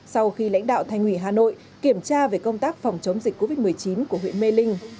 sau khi lãnh đạo thành ủy hà nội kiểm tra về công tác phòng chống dịch covid một mươi chín của huyện mê linh